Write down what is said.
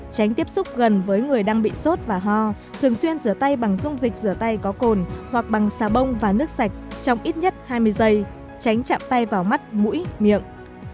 tránh tiếp xúc gần với người đang bị sốt và ho thường xuyên rửa tay bằng dung dịch rửa tay có cồn hoặc bằng xà bông và nước sạch trong ít nhất hai mươi giây tránh chạm tay vào mắt mũi miệng